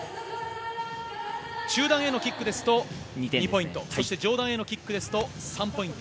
中段へのキックですと２ポイントそして上段へのキックですと３ポイント。